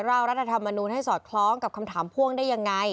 ร่างรัฐธรรมนูลให้สอดคล้องกับคำถามพ่วงได้ยังไง